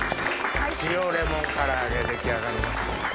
塩レモン唐揚げ出来上がりました。